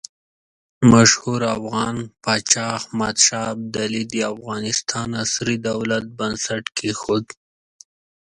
مشهور افغان پاچا احمد شاه ابدالي د افغانستان عصري دولت بنسټ ایښودلی.